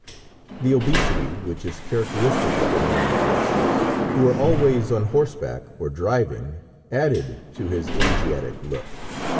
The obesity, which is characteristic of the nomad races, who are always on horseback or driving, added to his Asiatic look.